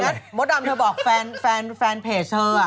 งั้นมดดำเธอบอกแฟนเปจเธออะ